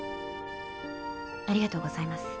ありがとうございます。